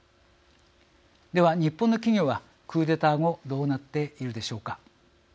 では、日本の企業はクーデター後どうなっているでしょうか。